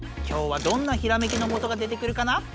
今日はどんなひらめきのもとが出てくるかな？